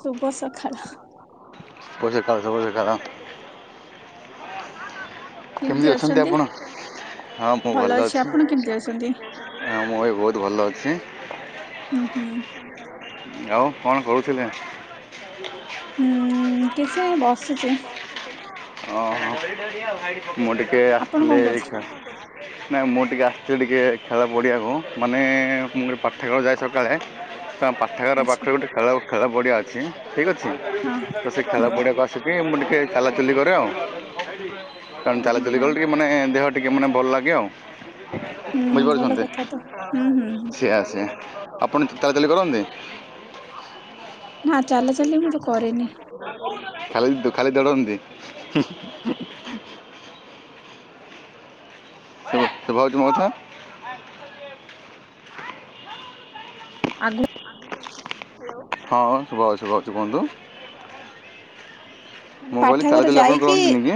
ଶୁଭ ସଖାଳ। [unintelligible] କେମିତି ଅଛନ୍ତି ଆପଣ? ହଁ ମୁଁ ଭଲ ଅଛି। ଆପଣ କେମିତି ଅଛନ୍ତି? ହଁ ମୁଁ ବି ବହୁତ ଭଲ ଅଛି। ହୁଁ ହୁଁ। ଆଉ କଣ କରୁଥିଲେ? ହୁଁ କିଛି ବସିଚି। ଓହୋ ମୁଁ ଟିକେ ଆପଣ ଆସିଥିଲି କଣ କରୁଥିଲେ? ଏକା ନାଇ ମୁଁ ଟିକେ ଆସିଥିଲି ଟିକେ ଖେଳ ପଡ଼ିଆ କୁ ମାନେ ମୁଁ ଖେଳ ଯାଏ ସକାଳେ ତା ପାଠାଗାର ଆଚ୍ଛା ପାଖରେ ଗୋଟେ ଖେଳ ଖେଳ ପଡ଼ିଆ ଅଛି ଠିକ୍ ଅଛି ହଁ ତ ସେ ଖେଳ ହୁଁ ସେଠି ମୁଁ ଟିକେ ଚାଲାଚୁଲି କରେ ଆଉ କାରଣ ହୁଁ ହୁଁ ଚାଲାଚୁଲି ହୁଁ କଲେ ଟିକେ ମାନେ ଦେହ ଟିକେ ମାନେ ଭଲ ଲାଗେ ଆଉ ହୁଁ ଭଲ ବୁଝିପାରୁଛନ୍ତି କଥା ତ ହୁଁ ହୁଁ ହୁଁ ସେଇଆ ସେଇଆ। ଆପଣ ଚାଲାଚାଲି କରନ୍ତି? ନା ଚାଲାଚାଲି ମୁଁ ତ କରେନି। ଖାଲି ଖାଲି ଦୌଡନ୍ତି। ସୁଭା ହଉଛି ମୋ କଥା? ଆଗୁ ହଁ ଶୁଭା ହଉଛି ଭଲସେ କୁହନ୍ତୁ? ମାନେ ମୁଁ କହିଲି ତାଲା ପାଠାଗାର ତାଲି ଆପଣ ଯାଇକି କରନ୍ତିନି କି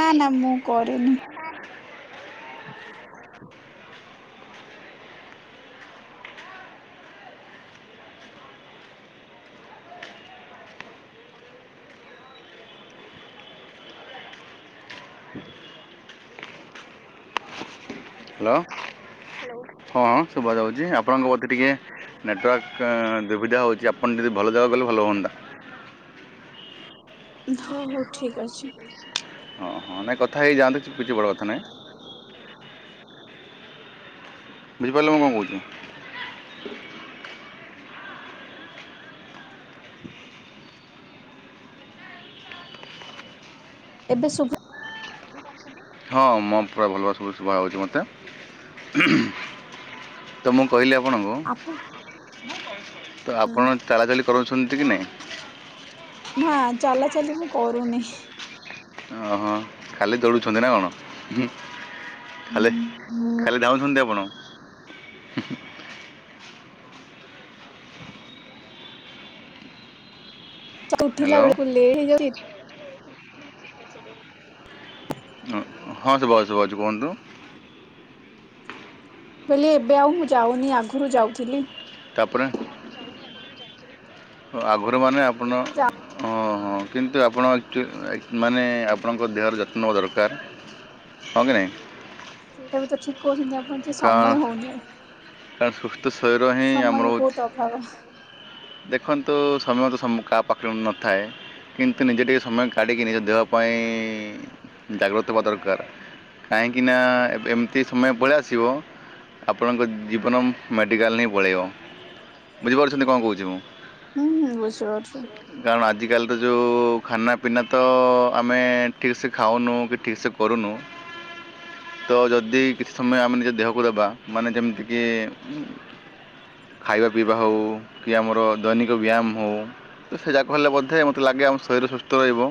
ନା ନା ମୁଁ କରେନି। [unintelligible] ହ୍ୟାଲୋ ହଁ ଶୁଭା ଯାଉଛି ଆପଣଙ୍କ ବୋଧେ ଟିକେ ନେଟୱାର୍କ ଦୁବିଧା ହେଉଛି ଆପଣ ଯଦି ଭଲ ଜାଗକୁ ଗଲେ ଭଲ ହୁଅନ୍ତା। ହଉ ହଉ ଠିକ ଅଛି। ହଁ ହଁ ନାଇଁ କଥା ହେଇଯାଆନ୍ତୁ କିଛି ବଡ଼ କଥା ନାହିଁ। ବୁଝି ପାରିଲେ ମୁଁ କଣ କହୁଚି। ଏବେ ସୁବ ହଁ ମୋ ପୁରା ଭଲ ଭ ସବୁ ଶୁଭା ହେଉଛି ମୋତେ ତ ମୁଁ କହିଲି ଆପଣଙ୍କୁ ଆପ ତ ଆପଣ ଚାଳାଚାଲି କରୁଛନ୍ତି କି ନାହିଁ ନା ଚାଲା ଚାଲି ମୁଁ କରୁନି ଓହଁ ଖାଲି ଦୌଡ଼ୁଛନ୍ତି ନା କଣ ଉ ଖାଲି ଖାଲି ଧାଁଉଛନ୍ତି ଆପଣ ତ ଉଠିଲା ହ୍ୟାଲୋ ବେଳକୁ ଲେଟ ହେଇଯାଉଛି। ହଁ ଶଭ ଶୁବାଜୁ କୁହନ୍ତୁ ବୋଲିଇ ଏବେ ଆଉ ମୁଁ ଯାଉନି ଆଗରୁ ଯାଉଥିଲି ତାପରେ ଅ ଆଗରୁମାନେ ଆପଣ ଏବେ ଯାଉ ଅ ହଁ କିନ୍ତୁ ଆପଣ ଆଚୁ ମାନେ ଆପଣଙ୍କ ଦେହର ଯତ୍ନ ନେବା ଦରକାର ହଁ କି ନାହିଁ ସେଇଟା ବି ତ ଠିକ୍ କହୁଛନ୍ତି ଆପ କାରଣ କଣ ସୁସ୍ଥ ଶରୀର ହିଁ ସମୟ ଆମର ହେଉଛି ବହୁତ ଅଭାବ ଦେଖନ୍ତୁ ସମୟ ତ ସମ କାହା ପାଖରେ ନଥାଏ କିନ୍ତୁ ନିଜେ ଟିକେ ସମୟ କାଢିକି ନିଜ ଦେହ ପାଇଁ ଜାଗ୍ରତ ହବା ଦରକାର କାହିଁକି ନା ଏବେ ଏମିତି ସମୟ ଭଳିଆ ଆସ ଥିବ ଆପଣଙ୍କ ଜୀବନ ମେଡ଼ିକାଲ ହିଁ ପଳାଇବ ବୁଝିପାରୁଛନ୍ତି କଣ କହୁଛି ମୁଁ ହୁଁ ହୁଁ ବୁଝିପାରୁଛୁ କାରଣ ଆଜିକାଲି ତ ଯେଉଁ ଖାନା ପିନା ତ ଆମେ ଠିକ ସେ ଖାଉନୁ କି ଠିକ୍ସେ କରୁନୁ [inaudible] ତ ଯଦି କିଛି ସମୟ ଆମେ ନିଜ ଦେହକୁ ଦେବା ମାନେ ଯେମିତିକି ଉ ଖାଇବା ପିଇବା ହେଉ କି ଆମର ଦୈନିକ ବ୍ୟାୟାମ ହେଉ ତ ସେ ଯାକ ହେଲେ ବୋଧେ ମୋତେ ଲାଗେ ଆମ ଶରୀର ସୁସ୍ଥ ରହିବ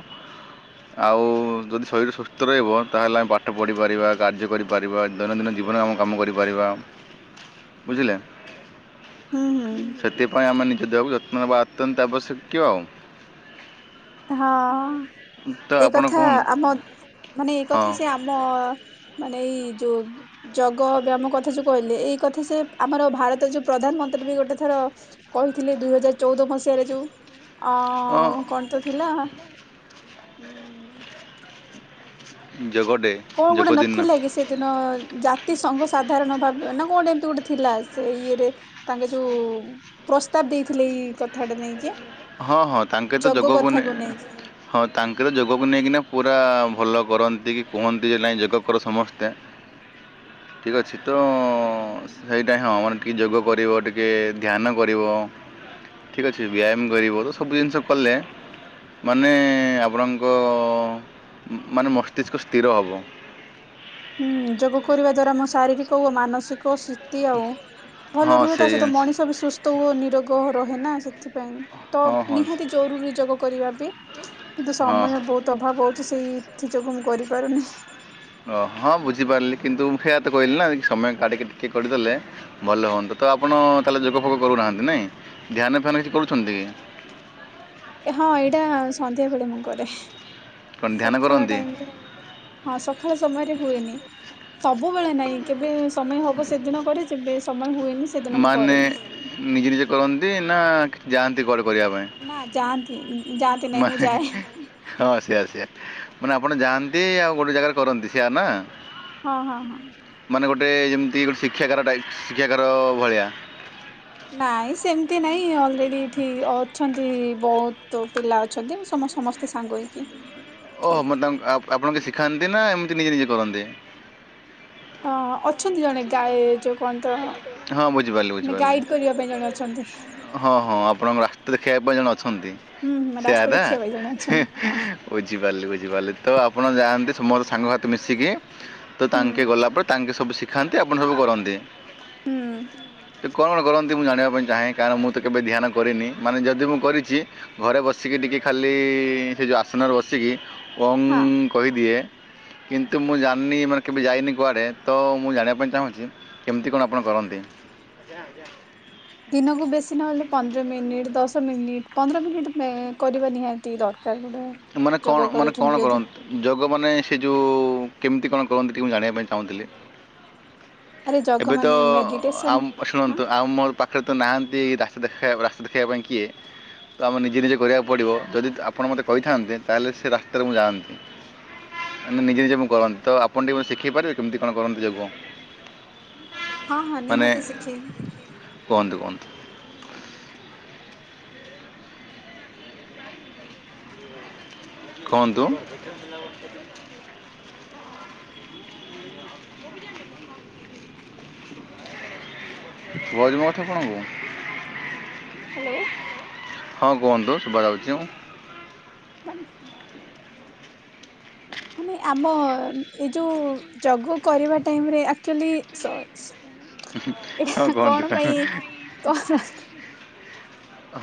ଆଉ ଯଦି ଶରୀର ସୁସ୍ଥ ରହିବ ତାହେଲେ ଆମେ ପାଠ ପଢ଼ିପାରିବା କାର୍ଯ୍ୟ କରିପାରିବା ଦୈନନ୍ଦିନ ଜୀବନରେ ଆମେ କାମ କରିପାରିବା ବୁଝିଲେ ହୁଁ ହୁଁ ସେଥିପାଇଁ ଆମେ ନିଜ ଦେହକୁ ଯତ୍ନବା ତନ୍ତାଆବଶ୍ୟକ ଆଉ ହଁ ତ ଏଇ ଆପଣ କଥା କ'ଣ ଆମ ମାନେ ଏଇ ହଁ କଥା ସେ ଆ ଆମ ମାନେ ଏଇ ଯୋଉ ଯୋଗ ବ୍ୟାଆମ କଥା ଯୋ କହିଲେ ଏଇ କଥା ସେ ଆମର ଭାରତର ଯୋଉ ପ୍ରଧାନମନ୍ତ୍ରୀ ବି ଗୋଟେ ଥର କହିଥିଲେ ଦୁଇ ହଜାର ଚଉଦ ମସିହାରେ ଯୋଉ ଆ ହଁ କଣ ତ ଥିଲା ଉ ଜୋଗଡ଼େ କଣ ଗୋଟେ ନଥିଲା କି ସେଦିନ ଯା ତି ସଂଘସଧାରଣ ଭାବେ ନା କଣଟ ଏମିତି ଗୋଟେ ଥିଲା ସେ ଇଏରେ ତାଙ୍କେ ଯୋଉ ପ୍ରସ୍ତାବ ଦେଇଥିଲେ ଏଇ କଥାଟା ନେଇକି ହଁ ହଁ ତାଙ୍କେ ତ ଯୋଗ ଯୋଗକୁନି କଥାକୁ ନେଇକି ହଁ ତାଙ୍କର ଯୋଗକୁ ନେଇକିନା ପୁରା ଭଲ କରନ୍ତି କି କୁହନ୍ତି ଯେ ନାଇ ଯୋଗ କର ସମସ୍ତେ [inaudible] ଠିକ ଅଛି ତ ହୁଁ ସେଇଟା ହଁ ମାନେ ଟିକେ ଯୋଗ କରିବ ଟିକେ ଧ୍ୟାନ କରିବ ଠିକ୍ ଅଛି ବ୍ୟାୟାମ ଗରିବ ତ ସବୁ ଜିନିଷ କଲେ ମାନେ ଆପଣଙ୍କ ମାନେ ମସ୍ତିଷ୍କ ସ୍ଥିର ହେବ ହୁଁ ଯୋଗ କରିବା ଦ୍ଵାରା ମୋ ଶାରୀରିକ ଓ ମାନସିକ ସି ତି ଆଉ ଭଲ ହଁ ରୁହେ ତା ସେଇ ସହିତ ଜିନିଷ ମଣିଷ ବି ସୁସ୍ଥ ହୁଅ ନିରୋଗ ରହେ ନା ସେଥିପାଇଁ ତ ହଁ ହଁ ନିହାତି ଜରୁରୀ ଯୋଗ କରିବା ବି କିନ୍ତୁ ହଁ ସମୟ ବହୁତ ତଭାବ ହେଉଛି ସେଇ ଏଥି ଯୋଗୁଁ ମୁଁ କରିପାରୁନି ଓ ହଁ ମୁ ବୁଝିପାରିଲି କିନ୍ତୁ ମୁଁ ସେଇୟା ତ କହିଲି ନା ସମୟ କାଢ଼ିକି ଟିକେ କରିଦେଲେ ଭଲ ହୁଅନ୍ତା ତ ଆପଣ ତାହେଲେ ଯୋଗ ଫୋଗ କରୁନାହାନ୍ତି ନାହିଁ ଧ୍ୟାନ ଫାନ କିଛି କରୁଛନ୍ତି? ହଁ ଏଇଟା ସନ୍ଧ୍ୟା ବେଳେ ମୁଁ କରେ କ'ଣ ଧ୍ୟାନ ସକାଳ କରନ୍ତି ଟାଇମରେ ହଁ ସକାଳ ସମୟରେ ହୁଏନି ସବୁବେଳେ ନାଇଁ କେବେ ସମୟ ହବ ସେଦିନ କରେ ଯେବେ ସମୟ ହୁଏନି ସେଦିନ ମୁଁ ମାନେ କରେନି। ନିଜେ ନିଜେ କରନ୍ତି ନା ଯାଆନ୍ତି କୁଆଡ଼େ କରିବା ପାଇଁ? ନା ଯାଆନ୍ତି ଯାଆନ୍ତି ନାହିଁ ମୁଁ ମାନେ ଯାଏ। ହଁ ସେୟା ସେୟା ମାନେ ଆପଣ ଯାଆନ୍ତି ଆଉ ଗୋଟେ ଜାଗାରେ କରନ୍ତି ସେୟା ନା। ହଁ ହଁ ହଁ। ମାନେ ଗୋଟେ ଯେମିତି ଗୋଟେ ଶିକ୍ଷାକାର ଶିକ୍ଷାକାର ଭଳିଆ। ନାଇଁ ସେମିତି ନାଇଁ ଅଲରେଡି ଏଠି ଅଛନ୍ତି ବହୁତ ପିଲା ଅଛନ୍ତି ସମ ସମସ୍ତେ ତ ସାଙ୍ଗ ହେଇକି ଓହ କରିଥାଉ। ମ ତା ଆପଣଙ୍କ ଶିଖାନ୍ତି ନା ଏମିତି ନିଜେ ନିଜେ କରନ୍ତି। ହଁ ଅଛନ୍ତି ଜଣେ ଗାଏ ଯୋଉ କଣ ତ ହଁ ବୁଝିପାରିଲି ମାନେ ବୁଝିପାରିଲି ଗାଇଡ କରିବା ପାଇଁ ଜଣେ ଅଛନ୍ତି। ହଁ ହଁ ଆପଣଙ୍କ ରାସ୍ତା ଦେଖେଇବା ପାଇଁ ଜଣେ ଅଛନ୍ତି ହୁଁ ହୁଁ ସେୟା ରାସ୍ତା ନା। ଦେଖିବା ପାଇଁ ଜଣେ ଅଛନ୍ତି ହଁ ବୁଝିପାରିଲି ବୁଝିପାରିଲି ତ ଆପଣ ଯାଆନ୍ତି ତୁମୋର ସାଙ୍ଗସାଥି ମିଶିକି ତ ହୁଁ। ତାଙ୍କେ ଗଲା ପରେ ତାଙ୍କେ ସବୁ ଶିଖାନ୍ତି ଆପଣ ସବୁ କରନ୍ତି। ହୁଁ। ସେ କଣ କଣ କରନ୍ତି ମୁଁ ଜାଣିବା ପାଇଁ ଚାହେଁ କାରଣ ମୁଁ ତ କେବେ ଧ୍ୟାନ କରିନି ମାନେ ଯଦି ମୁଁ କରିଛି ଘରେ ବସିକି ଟିକେ ଖାଲି ସେ ଯୋଉ ଆସନରେ ବସିକି ଓମ୍ ହଁ। କହିଦିଏ କିନ୍ତୁ ମୁଁ ଜାଣିନି ମାନେ କେବେ ଯାଇନି କୁଆଡ଼େ ତ ମୁଁ ଜାଣିବା ପାଇଁ ଚାହୁଁଛି। କେମିତି କଣ ଆପଣ କରନ୍ତି? ଆଜ୍ଞା ଆଜ୍ଞା। ଦିନକୁ ବେଶୀ ନହେଲେ ପନ୍ଦର ମିନିଟ ଦଶ ମିନିଟ ପନ୍ଦର ମିନିଟ୍ ମା କରିବା ନିହାତି ଦର ସରକାର ଗୋଟେ ଯୋଗ କରୁଛନ୍ତି ଯଦି। ଯୋଗମାନେ ସେ ଯୋଉ କେମିତି କଣ କରନ୍ତି ଟିକେ ମୁଁ ଜାଣିବା ପାଇଁ ଚାହୁଁଥିଲି? ଆରେ ଜଗ ଏବେ ତ ମାନେ ମେଡିଟେସନ ଆମ ହଁ ଶୁଣନ୍ତୁ ଆଉ ମୋ ପାଖରେ ତ ନାହାନ୍ତି ରାସ୍ତା ଦେଖାଇବା ରାସ୍ତା ଦେଖେଇବା ପାଇଁ କିଏ ତ ଆମେ ନିଜେ ନିଜେ କରିବାକୁ ପଡ଼ିବ ଯଦି ଆପଣ ମୋତେ କହିଥାନ୍ତେ ତା ହେଲେ ସେ ରାସ୍ତାରେ ମୁଁ ଯାଆନ୍ତି। ମାନ ନିଜେ ନିଜେ ମୁଁ କରନ୍ତି ତ ଆପଣ ଟିକେ ମୋତେ ଶିଖେଇ ପାରିବେ କେମିତି କଣ କରନ୍ତି ଯୋଗ? ହଁ ହଁ ମାନେ ନିହାତି ଶିଖେଇବି। କୁହନ୍ତୁ କୁହନ୍ତୁ। କୁହନ୍ତୁ? ସୁବା ଯାଉଚି ମୋ କଥା ଆପଣଙ୍କୁ? ହ୍ୟାଲୋ ହଁ କୁହନ୍ତୁ ଶୁଭା ଯାଉଛି [inaudible] [inaudible] ମାନେ ଆମ ଏଇ ଯୋଉ ଯୋଗ କରିବା ଟାଇମରେ ଆକଚୁଆଲି ସର୍ ହଁ ଏ କୁହନ୍ତୁ କଣ ପାଇଁ କଣ [unintelligible]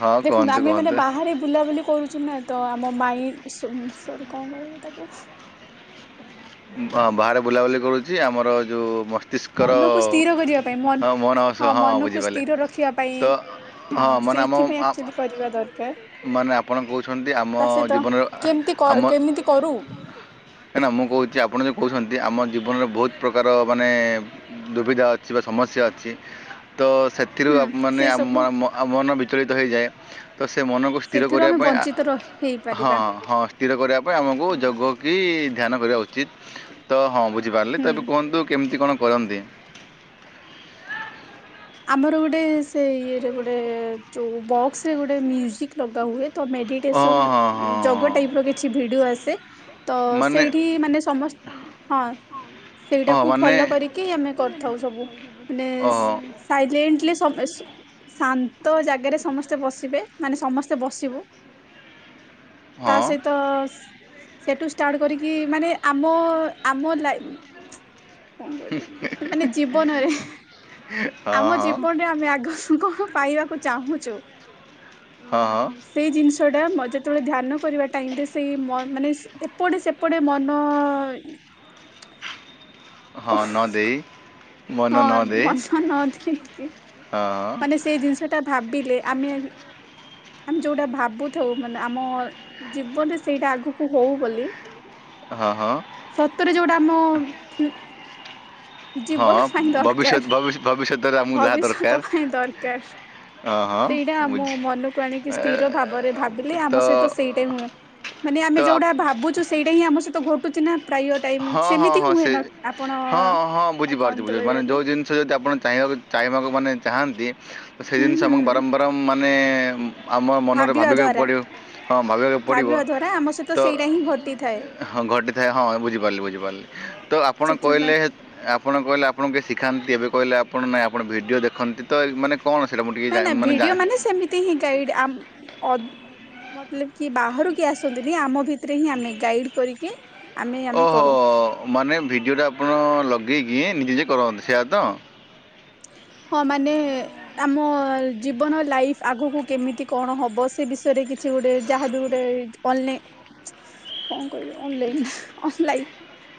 ହଁ ଦେଖନ୍ତୁ କୁହନ୍ତୁ ଆମେ ମାନେ କୁହନ୍ତୁ ହଁ ବାହାରେ ବୁଲାବୁଲି କରୁଛୁ ନା। ତ ଆମ ମାଇ ଉ ସ ସରି କଣ କହିବି ତାକୁ। ହଁ, ବାହାରେ ବୁଲାବୁଲି କରୁଛି ଆମର ଯୋଉ ମ ମନକୁ ସ୍ଥିର କରିବା ପାଇଁ ମୋହନ ମନ ହଁ ମନକୁ ବୁଝିପାରିଲେ ସ୍ଥିର ରଖିବା ପାଇଁ। ତ ହଁ, ମାନେ ସେଇଥିପାଇଁ ଆମ ଆକଚୁଆଲି କରିବା ଦରକାର। ମାନେ ଆପଣ କହୁଛନ୍ତି ଆମ ତା ସହିତ ଜୀବନର ଆ କେମିତି ଆମ କେମିତି କରୁ କା ନା ମୁଁ କହୁଛି ଆପଣ କହୁଛନ୍ତି ଆମ ଜୀବନରେ ବହୁତ ପ୍ରକାର ମାନେ ଦୁବିଧା ଅଛି ବା ସମସ୍ୟା ଅଛି ତ ସେତ୍ ଏଥିରୁ ହୁଁ ଆ ମାନେ ସେ ଆମ ସବୁ ମନ ବିଚଳିତ ହେଇଯାଏ। ତ ସେ ମନକୁ ସ୍ଥିର ସେଥିରୁ କରିବା ଆମେ ପାଇଁ ଆ ବଞ୍ଚିତ ର ହଁ ହେଇପାରିବା। ହଁ ସ୍ଥିର କରିବା ପାଇଁ ଆମକୁ ଯୋଗ ହୁଁ। କି ଧ୍ୟାନ କରିବା ଉଚିତ୍ ତ ହଁ ବୁଝିପାରିଲେ ହୁଁ। ତ ଏବେ କୁହନ୍ତୁ କେମିତି କଣ କରନ୍ତି? ଆମର ଗୋଟେ ସେ ଇଏରେ ଗୋଟେ ଯୋଉ ବକ୍ସ ରେ ଗୋଟେ ମ୍ୟୁଜିକ ଲଗା ହୁଏ ତ ମେଡିଟ୍ ହଁ ଟେସନ୍ ହଁ ହଁ ହଁ ଯୋଗ ଟାଇପ ର କିଛି ଭିଡିଓ ଆସେ ତ ମାନେ ସେଇଠି ମାନେ ସମସ୍ତ୍ ହଁ ହଁ ସେଇଟାକୁ ମାନେ ଫଲୋ କରିକି ଆମେ କରିଥାଉ ସବୁ ମାନେ ଓହୋ ସ୍ ସାଇଲେଣ୍ଟଲି ସମେ ସୁ ଶାନ୍ତ ଜାଗାରେ ସମସ୍ତେ ବସିବେ ମାନେ ସମସ୍ତେ ବସିବୁ। ତା ହଁ ସହିତ ଅସ୍ ସେଠୁ ଷ୍ଟାର୍ଟ କରିକି ମାନେ ଆମ ଆମ ଲାଇନ୍ କଣ କହିବେ ମାନେ ଜୀବନରେ ହଁ ଆମ ହଁ ଜୀବନରେ ଆମେ ଆଗକୁ [unintelligible] କଣ ପାଇବାକୁ ଚାହୁଁଛୁ? ହଁଅ। ଉଁ ସେଇ ଜିନିଷଟା ମ ଯେତେବେଳେ ଧ୍ୟାନ କରିବା ଟାଇମରେ ସେଇ ମ ମାନେ ସେ ଏପଟେ ସେପଟେ ମନ ହଁ, ନ ଦେଇ ହଁ, ମନ ନ ଦେଇ ମଷ ନଦେଇକି ହଁ। ସେଇ ଜିନିଷ ଟା ଭାବିଲେ ଆମେ ଆମେ ଯୋଉଟା ଭାବୁଥାଉ ମାନେ ଆମ ଜୀବନରେ ସେଇଟା ଆଗକୁ ହଉ ବୋଲି। ହଁ-ହଁ। ସତରେ ଯଉଟା ଆମ ଜୀବନ ହଁ ପାଇଁ ଦରକାର, ଭବିଷ୍ୟତ ଭବିଷ୍ୟ ଭବିଷ୍ୟତରେ ଆମକୁ ଯାହା ଭବିଷ୍ୟତ ଦରକାର ପାଇଁ ଦରକାର। ହଁ ହଁ ସେଇଟା ଆମ ବୁଝି ମନକୁ ଆଣିକି ଏ, ସ୍ଥିର ଭାବରେ ଭାବିଲେ ତ ଆମ ସହିତ ସେଇଟା ହୁଏ। ମାନେ ତ ଆମେ ଯଉଟା ଆପ- ଭାବୁଚୁ ସେଇଟା ହି ଆମ ସହିତ ଘଟୁ ନା ପ୍ରାୟ ଟାଇମ ହଁ ହଁ ସେମିତି ହଁ ହୁଏ ସେ ଆପଣ ହଁ ହଁ ଆଉ କଣ ବୁଝିପାରୁଛି ତ ବୁଝଛି କହିବି ମାନେ ତାକୁ ଯେଉଁ ଜିନିଷ ଯଦି ଆପଣ ଚାହିଁବାକୁ ଚାହିଁବାକୁ ମାନେ ଚାହାନ୍ତି ସେଇ ହୁଁ ଜିନିଷ ହୁଁ ଆମକୁ ବାରମ୍ବାରମ୍ ମାନେ ଆମ ମନରେ ଭାବିବା ଭାବିବାକୁ ଦ୍ଵାରା ପଡିବ। ହଁ ଭାବିବାକୁ ପଡିବ ଭାବିବା ଦ୍ଵାରା ଆମ ସହିତ ତ ସେଇଟା ହିଁ ଘଟିଥାଏ। ହଁ ଘଟି ଥାଏ ହଁ ବୁଝ ପାରିଲି-ବୁଝିପାରିଲି ତ ଆପଣ ସେଥିପାଇଁ କହିଲେ ଆପଣ କହିଲେ ଆପଣ କେ ଶିଖାନ୍ତି ଏବେ କହିଲେ ଆପଣ ନାହିଁ ଆପଣ ଭିଡ଼ିଓ ଦେଖନ୍ତି ତ ମାନେ କଣ ସେଟା ମୁଁ ଟିକେ ଜାଣେ ମାନେ ଜଣେ ତି ହିଁ ଗାଇଡ ଆମ [unintelligible] ବାହାର କିଏ ଆସନ୍ତିନି ଆମ ଭିତ ଥିରେ ହିଁ ଆମେ ଗାଇଡ କରିକି ଆମେ ଆମେ ଓହୋ କରୁ। ମାନେ ଭିଡ଼ିଓଟା ଆପଣ ଲଗେଇକି ନିଜ ନିଜେ କରନ୍ତି ସେଇୟା ତ? ହଁ, ମାନେ ଆମ ଜୀବନ ଲାଇଫ ଆଗକୁ କେମିତି କଣ ହବ ସେ ବିଷୟରେ କିଛି ଗୋଟେ ଯାହାବି ଗୋଟେ ଅନଲାଇନ କଣ କହିବି ଅନଲାଇନ୍ ଅନଲାଇନ୍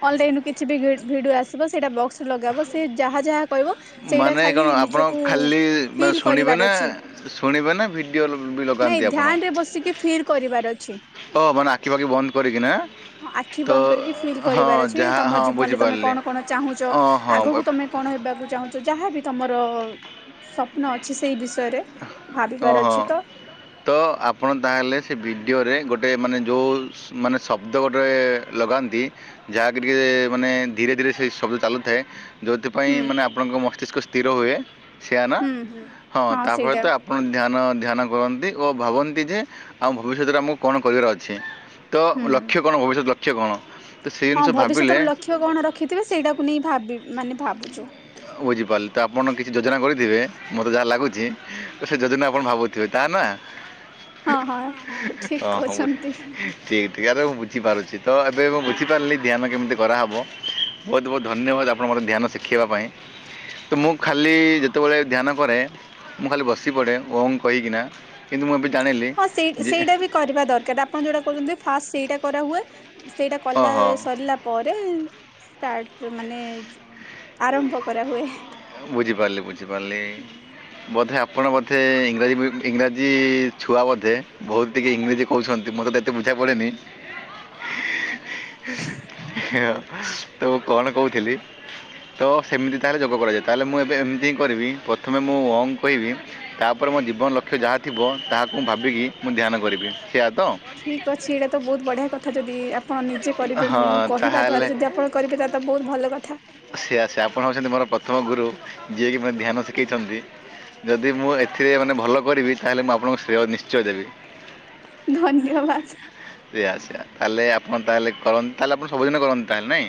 ଅନଲାଇନ ରୁ କିଛି ବି ଭିଡିଓ ଆସିବ ସେଇଟା ବକ୍ସରେ ଲଗା ହବ ସେ ଯାହା ଯାହା କହିବ ସେଇଟା ମାନେ ଖାଲି କ'ଣ ଆପଣ ନିଜକୁ ଖାଲି ମାନେ ଫିଲ୍ ଶୁଣିବେ ନା କରିବାର ଅଛି। ଶୁଣିବେ ନା ଭିଡ଼ିଓ ବି ଲଗାନ୍ତି ନାଇଁ ଆପଣ ଧ୍ୟାନ ରେ ବସିକି ଫିଲ୍ କରିବାର ଅଛି। ଓ ମାନେ ଆଖି ପାଖି ବନ୍ଦ କରିକିନାଁ। ହଁ ଆଖି ବନ୍ଦ କରିକି ଫିଲ୍ କରିବାର ଅଛି ତମ ହଁ ଜୀବନରେ ତମେ ବୁଝିପାରିଲି କଣ କଣ ଚାହୁଁଛ? ଓ ହଁ ଆଗକୁ ତମେ କଣ ହେବାକୁ ଚାହୁଁଛ ଯାହାବି ତମର ସ୍ୱପ୍ନ ଅଛି ସେଇ ବିଷୟରେ ଓ ଭାବିବାର ହୋ ଅଛି ତ ତ ଆପଣ ତାହେଲେ ସେ ଭିଡ଼ିଓରେ ଗୋଟେ ମାନେ ଯୋଉ ମାନେ ଶବ୍ଦ ଗୋଟେ ଲଗାନ୍ତି। ଯାହାକି ଟିକେ ମାନେ ଧୀରେ ଧୀରେ ସେଇ ଶବ୍ଦ ଚାଲୁଥାଏ। ଯୋଉଥିପାଇଁ ହୁଁ ମାନେ ଆପଣଙ୍କ ମସ୍ତିଷ୍କ ସ୍ଥିର ହୁଏ ସେୟା ନା ହୁଁ ହୁଁ ହଁ ତା ସେଇଟା ଫଳତ ଆପ ଆପଣ ଧ୍ୟାନ-ଧ୍ୟାନ କରନ୍ତି ଓ ଭାବନ୍ତି ଯେ ଆମ ଭବିଷ୍ୟତରେ ଆମକୁ କଣ କରିବାର ଅଛି। ତ ହୁଁ ଲକ୍ଷ୍ୟ କଣ? ଭବିଷ୍ୟତ ଲକ୍ଷ୍ୟ କଣ? ତ ସେଇ ହଁ ଜିନିଷ ଭବିଷ୍ୟତ ଭାବିଲେ ର ଲକ୍ଷ୍ୟ କଣ ରଖିଥିବେ ସେଇଟାକୁ ନେଇ ଭାବି ମାନେ ଭାବୁଛୁ ବୁଝିପାରିଲି ତ ଆପଣ କିଛି ଯୋଜନା କରିଥିବେ ମୋତେ ଯାହା ଲାଗୁଛି। ତ ସେ ଯଦିନ ଆପଣ ଭାବୁଥିବେ, ତା ନା ହଁ, ହଁ ହଁ ଠିକ ହ, ବୁ କହୁଛନ୍ତି। ଠିକ୍-ଠିକ୍ ଆରେ ମୁଁ ବୁଝିପାରୁଛି। ତ ଏବେ ମୁଁ ବୁଝିପାରିଲି, ଧ୍ୟାନ କେମିତି କରାହବ? ବହୁତ-ବହୁତ ଧନ୍ୟବାଦ! ଆପଣ ମୋତେ ଧ୍ୟାନ ଶିଖେଇବା ପାଇଁ। ତ ମୁଁ ଖାଲି-ଇ ଯେତେବେଳେ ଧ୍ୟାନ କରେ, ମୁଁ ଖାଲି ବସି ପଡ଼େ ଓଁ କହିକିନା। କିନ୍ତୁ, ମୁଁ ଏବେ ଜାଣିଲି। ହଁ, ସେଇ ଯେ ସେଇଟା ବି କରିବା ଦରକାର! ଆପଣ ଯୋଉଟା କହୁଛନ୍ତି, ଫାଷ୍ ସେଇଟା କରାହୁଏ। ସେଇଟା ଓହ କଲା-ଆ ସରିଲା ପ୍ ପରେ ଷ୍ଟାର୍ଟ, ମାନେ ଆରମ୍ଭ କରାହୁଏ। ହଁ, ବୁଝିପାରିଲି, ବୁଝିପାରିଲି। ବୋଧେ, ଆପଣ ବୋଧେ! ଇଂରାଜୀ ବି ଇଂରାଜୀ-ଇ ଛୁଆ ବୋଧେ, ବହୁତ ଟିକେ ଇଂରେଜୀ କହୁଛନ୍ତି, ମତ ତ ଏତେ ବୁଝା ପଡ଼େନି। [inaudible] ତ କଣ କହୁଥିଲି? ତ ସେମିତି ତାହେଲେ ଯୋଗ କରାଯାଏ। ତାହେଲେ ମୁଁ ଏବେ ଏମିତି ହିଁ କରିବି, ପ୍ରଥମେ ମୁଁ ଓଙ୍ଗ୍ କହିବି। ତା'ପରେ ମୋ ଜୀବନ ଲକ୍ଷ୍ୟ ଯାହା ଥିବ, ତାହାକୁ ମୁଁ ଭାବିକି ମୁଁ ଧ୍ୟାନ କରିବି। ସେଇଆ ତ? ଠିକ୍ ଅଛି ଏଇଟା ତ ବହୁତ ବଢିଆ କଥା। ଯଦି ଆପଣ ନିଜେ କରିବେ, ହଁ ମୁଁ କହିବା ତାହେଲେ ଦ୍ଵାରା ଯଦି ଆପ୍ ଆପଣ କରିବେ, ତା ତ ବହୁତ ଭଲ କଥା। ସେଆ, ସେଆ, ଆପଣ ହଉଛନ୍ତି ମୋର ପ୍ରଥମ ଗୁରୁ। ଯିଏକି ମାନେ ଧ୍ୟାନ ଶିଖେଇଛନ୍ତି। ଯଦି ମୁଁ ଏଥିରେ ମାନେ ଭଲ କରିବି! ତାହେଲେ ମୁଁ ଆପଣଙ୍କ ଶ୍ରେୟ ନିଶ୍ଚୟ ଦେବି। ଧନ୍ୟ-ଅ-ଅ-ଅ-ବାଦ। ସେଆ, ସେଆ, ତାହେଲେ, ଆପଣ ତାହେଲେ କରନ୍ତି, ତାହେଲେ ଆପଣ ସବୁଦିନ କରନ୍ତି, ତାହେଲେ ନାଇଁ?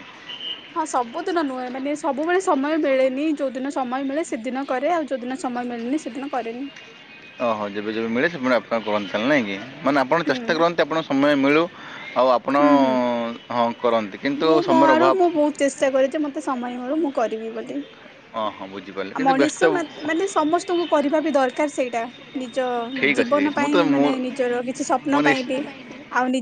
ହଁ, ସବୁଦିନ ନୁହେଁ, ମାନେ ସବୁବେଳେ ସମୟ ମିଳେନି। ଯୋଉ ଦିନ ସମୟ ମିଳେ, ସେଦିନ କରେ। ଆଉ, ଯଉଦିନ ସମୟ ମିଳିନି, ସେଦିନ କରେନି। ଓହୋ! ଯେବେ ଯେବେ ମିଳେ, ସେବେଳେ ଆପଣ କରନ୍ତି, ତାଲେ ନାଇଁ କି? ମାନେ ଆପଣ ହୁଁ ଚେଷ୍ଟା କରନ୍ତି, ଆପଣ ସମୟ ମିଳୁ। ଆଉ, ଆପଣ ହୁଁ ହୁଁ ହଁ କରନ୍ତି। କିନ୍ତୁ ମୁଁ ମୋ ସମୟର ଆଡୁ ମୁଁ ଅଭାବ ବହୁତ ଚେଷ୍ଟା କରେ ଯେ ମତେ ସମୟ ମିଳୁ, ମୁଁ କରିବି ବୋଲି। ହଁ ହଁ ବୁଝିପାରିଲି କିନ୍ତୁ ବ୍ୟସ୍ତ ମଣିଷ ମାତ୍ ମାନେ, ସମସ୍ତଙ୍କୁ କରିବା ବି ଦରକାର ସେଇଟା। ନିଜ ଠିକ୍ ଅଛି ଠିକ୍ ଜୀବନ ଅଛି ମୁଁ ତ ପାଇଁ ମୁଁ ମାନେ, ନିଜର କିଛି ମୁଁ ସ୍ୱପ୍ନ ପାଇଁ ନିଶ୍ଚ ବି। ଆଉ ନି